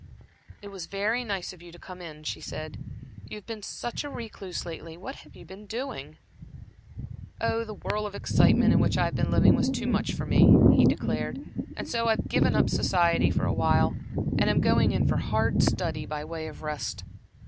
"It was very nice of you to come in," she said. "You have been such a recluse lately. What have you been doing?" "Oh, the whirl of excitement in which I've been living was too much for me," he declared "and so I've given up society for awhile, and am going in for hard study by way of rest."